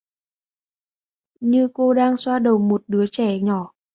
Như cô đang xoa đầu một đứa trẻ nhỏ